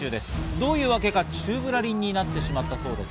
どういうわけか宙ぶらりんになってしまったそうです。